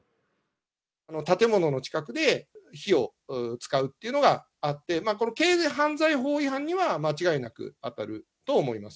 建物の近くで、火を使うっていうのがあって、これ、軽犯罪法違反には間違いなく当たると思います。